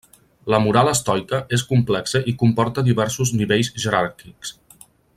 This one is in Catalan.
La moral estoica és complexa i comporta diversos nivells jeràrquics.